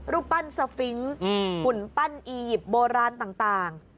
รูปปั้นสฟิงค์หุ่นปั้นอียิปต์โบราณต่าง